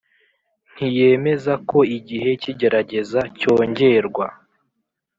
ntiyemeza ko igihe cy igerageza cyongerwa.